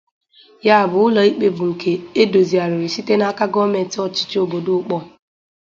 Ya bụ ụlọikpe bụ nke e dozigharịrị site n'aka gọọmenti ọchịchị obodo Ụkpọr